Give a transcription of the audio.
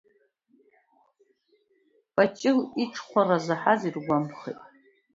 Паҷыл иҽхәара заҳаз иргәамԥхеит.